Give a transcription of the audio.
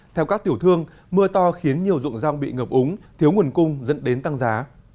theo các tiểu thương mưa to khiến nhiều dụng rau bị ngập úng thiếu nguồn cung dẫn đến tăng giá